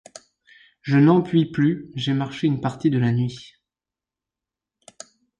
je n'en puis plus, j'ai marché une partie de la nuit.